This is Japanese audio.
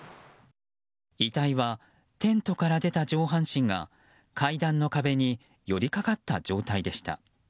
遺体は、テントから出た上半身が階段の壁に寄り掛かった状態でした。